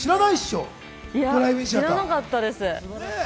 いや知らなかったです。